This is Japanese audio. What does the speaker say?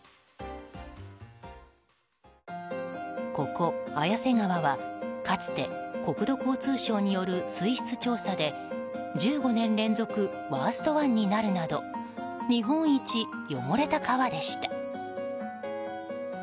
ここ綾瀬川は、かつて国土交通省による水質調査で１５年連続ワースト１になるなど日本一汚れた川でした。